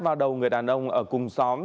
vào đầu người đàn ông ở cùng xóm